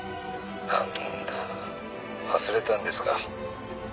何だ忘れたんですか。